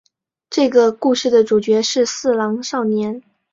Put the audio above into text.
这个故事的主角是四郎少年。